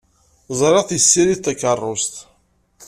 Ẓriɣ-t yessirid takeṛṛust.